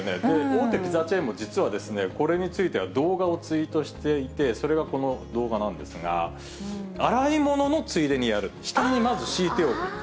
大手ピザチェーンも実はですね、これについては動画をツイートしていて、それがこの動画なんですが、洗い物のついでにやると、賢い。